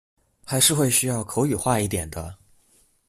還是會需要口語化一點的